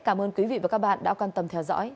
cảm ơn quý vị và các bạn đã quan tâm theo dõi